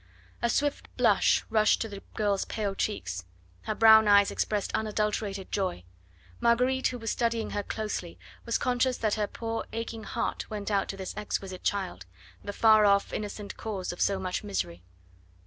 A swift blush rushed to the girl's pale cheeks; her brown eyes expressed unadulterated joy. Marguerite, who was studying her closely, was conscious that her poor aching heart went out to this exquisite child, the far off innocent cause of so much misery.